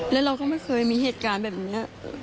แล้วเราก็ไม่เคยมีเหตุการณ์แบบนี้